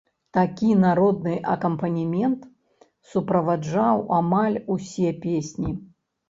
Такі народны акампанемент суправаджаў амаль усе песні.